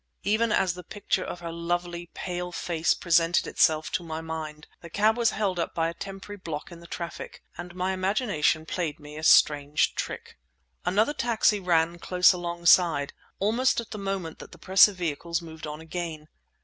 Even as the picture of her lovely, pale face presented itself to my mind, the cab was held up by a temporary block in the traffic—and my imagination played me a strange trick. Another taxi ran close alongside, almost at the moment that the press of vehicles moved on again.